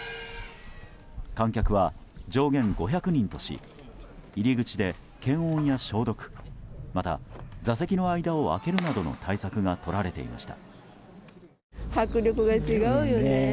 観客は上限５００人とし入り口で検温や消毒また座席の間を空けるなどの対策がとられていました。